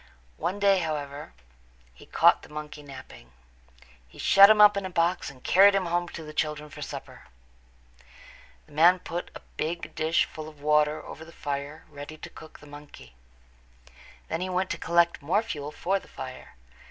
One day, however, he caught the monkey napping. He shut him up in a box and carried him home to the children for supper. The man put a big dish full of water over the fire ready to cook the monkey. Then he went away to collect more fuel for the fire.